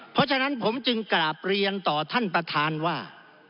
เพราะฉะนั้นผมจึงกราบเรียนต่อท่านประธานว่า